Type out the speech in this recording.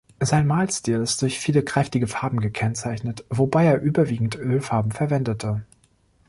Sein Malstil ist durch viele kräftige Farben gekennzeichnet, wobei er überwiegend Ölfarben verwendete.